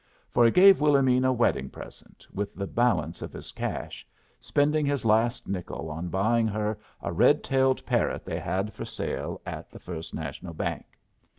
For he gave Willomene a wedding present, with the balance of his cash, spending his last nickel on buying her a red tailed parrot they had for sale at the First National Bank.